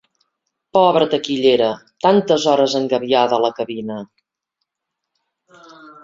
Pobra taquillera, tantes hores engabiada a la cabina...!